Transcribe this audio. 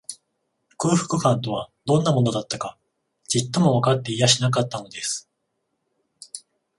空腹感とは、どんなものだか、ちっともわかっていやしなかったのです